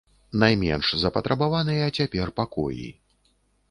Найменш запатрабаваныя цяпер пакоі.